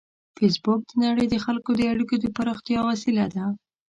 فېسبوک د نړۍ د خلکو د اړیکو د پراختیا وسیله ده